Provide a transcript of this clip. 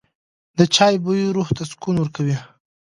د چای بوی روح ته سکون ورکوي.